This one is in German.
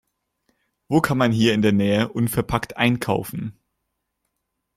Wo kann man hier in der Nähe unverpackt einkaufen?